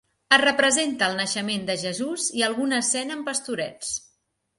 Es representa el naixement de Jesús i alguna escena amb pastorets.